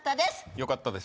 よかったです。